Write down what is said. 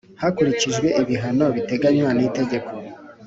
hakurikijwe ibihano biteganywa n Itegeko